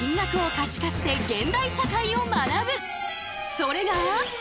それが。